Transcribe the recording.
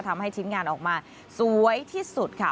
ทำให้ชิ้นงานออกมาสวยที่สุดค่ะ